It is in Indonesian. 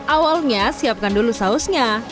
awalnya siapkan dulu sausnya